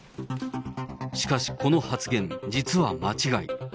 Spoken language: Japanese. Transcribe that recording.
しかしこの発言、実は間違い。